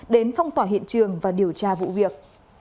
đến phong tỏa hiện trường và điều tra vụ việc